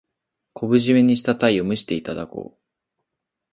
昆布じめにしたタイを蒸していただこう。